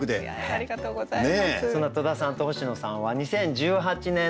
ありがとうございます。